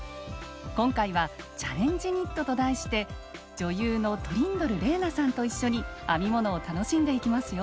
今回はチャレンジニットと題して女優のトリンドル玲奈さんと一緒に編み物を楽しんでいきますよ。